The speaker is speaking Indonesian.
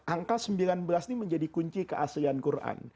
angka sembilan belas ini menjadi kunci keaslian quran